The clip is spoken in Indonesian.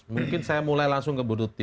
mungkin saya mulai langsung ke bu tuti